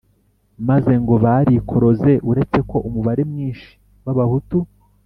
maze ngo barikoroze, uretse ko umubare mwinshi w’abahutu